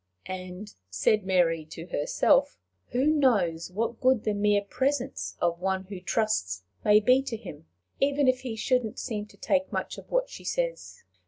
And said Mary to herself: "Who knows what good the mere presence of one who trusts may be to him, even if he shouldn't seem to take much of what she says!